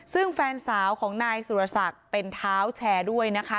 ซึ่งแฟนสาวของนายสุรศักดิ์เป็นเท้าแชร์ด้วยนะคะ